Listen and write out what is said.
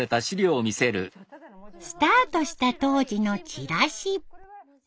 スタートした当時のチラシ。